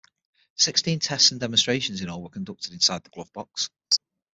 Sixteen tests and demonstrations in all were conducted inside the Glovebox.